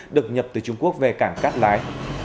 được nhập từ trung quốc về cảng cát lái